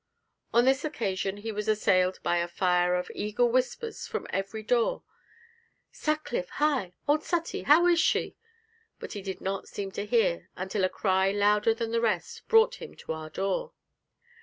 On this occasion he was assailed by a fire of eager whispers from every door: 'Sutcliffe, hi! old Sutty, how is she?' but he did not seem to hear, until a cry louder than the rest brought him to our room.